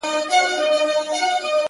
دلته اوسم ـ